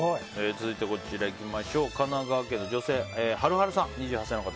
続いて神奈川県の女性、２８歳の方。